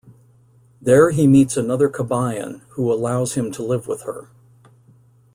There he meets another kabayan who allows him to live with her.